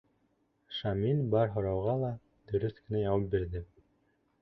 Шамил бар һорауға ла дөрөҫ кенә яуап бирҙе.